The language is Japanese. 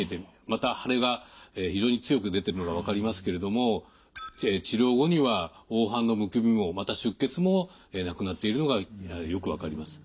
また腫れが非常に強く出てるのが分かりますけれども治療後には黄斑のむくみもまた出血もなくなっているのがよく分かります。